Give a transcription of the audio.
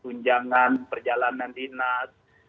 tunjangan perjalanan dinas